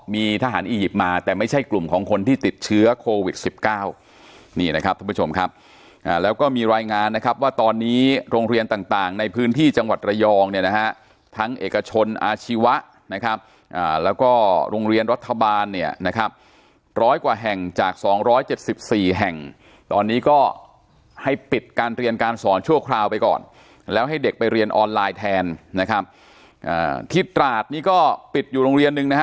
มีทหารอียิปต์มาแต่ไม่ใช่กลุ่มของคนที่ติดเชื้อโควิด๑๙นี่นะครับท่านผู้ชมครับแล้วก็มีรายงานนะครับว่าตอนนี้โรงเรียนต่างในพื้นที่จังหวัดระยองเนี่ยนะฮะทั้งเอกชนอาชีวะนะครับแล้วก็โรงเรียนรัฐบาลเนี่ยนะครับร้อยกว่าแห่งจาก๒๗๔แห่งตอนนี้ก็ให้ปิดการเรียนการสอนชั่วคราวไปก่อนแล้วให้เด็กไปเรียนออนไลน์แทนนะครับที่ตราดนี่ก็ปิดอยู่โรงเรียนนึงนะฮะ